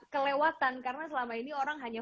kelewatan karena selama ini orang hanya